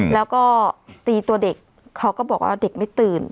แล้วก็ตีตัวเด็กเขาก็บอกว่าเด็กไม่ตื่น